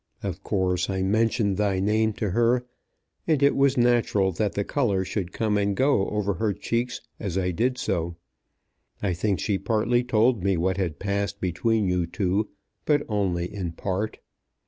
Of course I mentioned thy name to her, and it was natural that the colour should come and go over her cheeks as I did so. I think she partly told me what had passed between you two, but only in part.